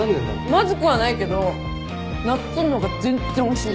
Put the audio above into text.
まずくはないけどなっつんの方が全然おいしい。